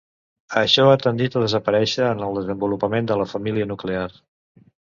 Això ha tendit a desaparèixer en el desenvolupament de la família nuclear.